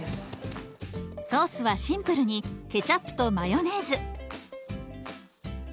ソースはシンプルにケチャップとマヨネーズ。